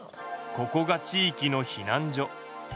ここが地いきの避難所。